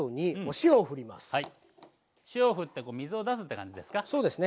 塩をふって水を出すって感じですか？